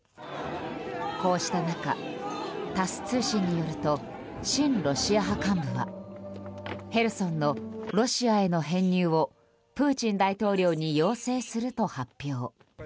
こうした中、タス通信によると親ロシア派幹部はヘルソンのロシアへの編入をプーチン大統領に要請すると発表。